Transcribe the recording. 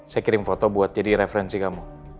saya kirim foto buat jadi referensi kamu